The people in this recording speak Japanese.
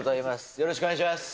よろしくお願いします。